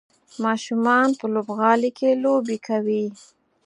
ماشومان په لوبغالي کې لوبې کوي.